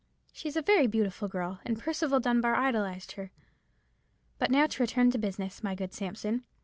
She is a very beautiful girl, and Percival Dunbar idolized her. But now to return to business, my good Sampson.